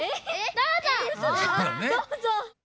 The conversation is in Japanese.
どうぞ！